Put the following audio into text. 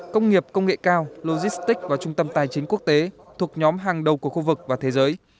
công nghiệp công nghệ cao logistic và trung tâm tài chính quốc tế thuộc nhóm hàng đầu của khu vực và thế giới